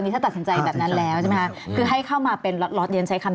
แต่เรื่องตัดสัญใจแบบนั้นแล้วใช่ไหมคะคือให้เข้ามาเป็นล็อต